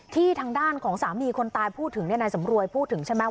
ทางด้านของสามีคนตายพูดถึงนายสำรวยพูดถึงใช่ไหม